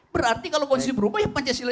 berarti kalau koalisi berubah ya pancasila